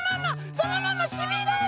そのまましびれる！